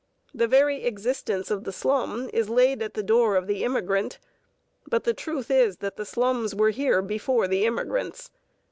The very existence of the slum is laid at the door of the immigrant, but the truth is that the slums were here before the immigrants.